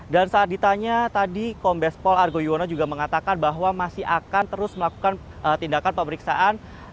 dan saat ditanya tadi kombespol argo yuwono juga mengatakan bahwa masih akan terus melakukan tindakan pemeriksaan